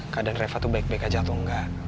keadaan reva tuh baik baik aja atau enggak